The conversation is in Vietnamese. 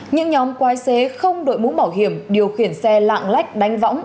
những nhóm quái xế không đội mũ bảo hiểm điều khiển xe lạng lách đánh võng